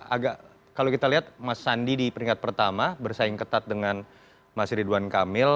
agak kalau kita lihat mas sandi di peringkat pertama bersaing ketat dengan mas ridwan kamil